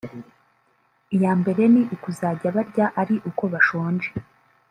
iya mbere ni ukuzajya barya ari uko bashonje